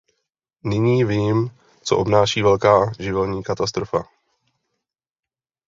Nyní vím, co obnáší velká živelní katastrofa.